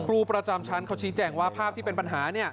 ครูประจำชั้นเขาชี้แจงว่าภาพที่เป็นปัญหา